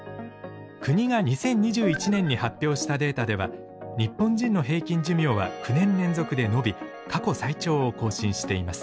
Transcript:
国が２０２１年に発表したデータでは日本人の平均寿命は９年連続で延び過去最長を更新しています。